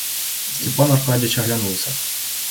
Степан Аркадьич оглянулся.